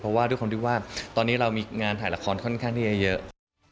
เพราะว่าทุกคนดิว่าตอนนี้เรามีงานถ่ายละครค่อนข้างที่เยอะ